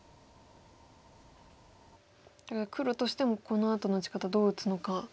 黒としてもこのあとの打ち方どう打つのか。